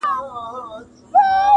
لکه خال دې له جبینه راته ګوري